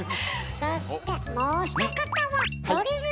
そしてもう一方は！